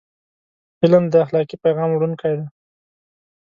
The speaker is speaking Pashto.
فلم د اخلاقي پیغام وړونکی دی